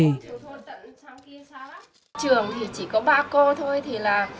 trường thì chỉ có ba cô thôi